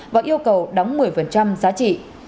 và yêu cầu đóng một mươi giá trị